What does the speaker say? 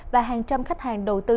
và hàng trăm khách hàng đầu tư